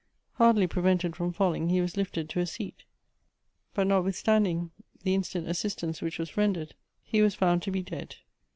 Hardly prevented from falling, he was lifted to a seat ; but, not withstanding the instant assistance which was rendered, he was found to be dead.